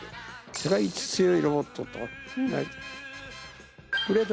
世界一強いロボットと。